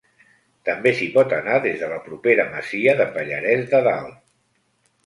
També s'hi pot anar des de la propera masia de Pallarès de Dalt.